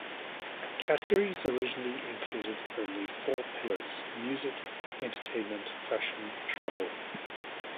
Categories originally included only four pillars: music, entertainment, fashion, travel.